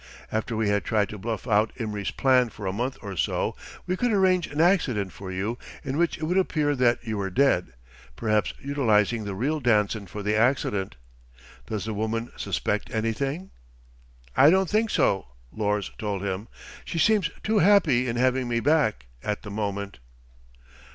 After we had tried to bluff out Imry's plan for a month, or so, we could arrange an accident for you in which it would appear that you were dead perhaps utilizing the real Danson for the accident. Does the woman suspect anything?" "I don't think so," Lors told him. "She seems too happy in having me back, at the moment."